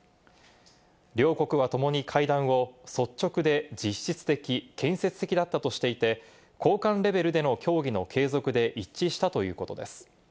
両国はともに会談を率直で実質的、建設的だったとしていて、高官レベルでの協議の継続で一致したということです。